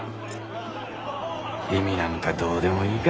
意味なんかどうでもいいか。